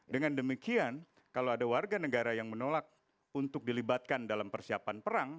dengan demikian kalau ada warga negara yang menolak untuk dilibatkan dalam persiapan perang